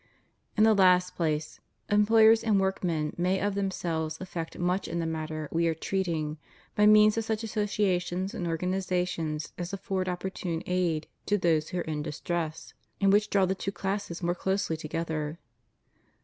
In the last place — employers and workmen may of themselves effect much in the matter we are treating, by means of such associations and organizations as afford opportune aid to those who are in distress, and which draw the two classes more closety together.